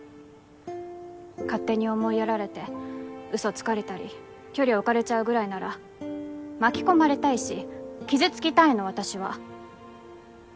勝手に思いやられてうそつかれたり距離置かれちゃうぐらいなら巻き込まれたいし傷つきたいの私は。